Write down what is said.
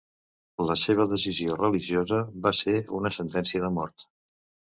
La decisió religiosa va ser una sentència de mort.